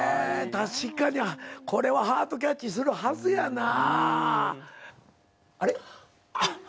確かにこれはハートキャッチするはずやなぁ。あれ？